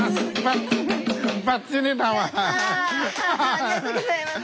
ありがとうございます！